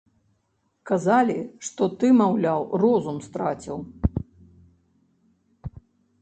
Казалі, што ты, маўляў, розум страціў.